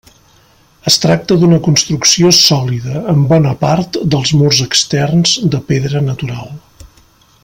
Es tracta d'una construcció sòlida, amb bona part dels murs externs de pedra natural.